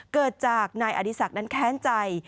เกิดจากนายอดิษัทแค่นใจ